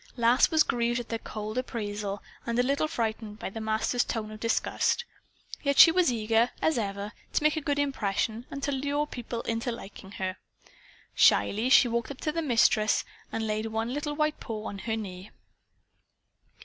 Lass was grieved at their cold appraisal and a little frightened by the Master's tone of disgust. Yet she was eager, as ever, to make a good impression and to lure people into liking her. Shyly she walked up to the Mistress and laid one white little paw on her knee.